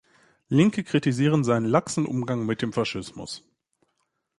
Linke kritisieren seinen laxen Umgang mit dem Faschismus.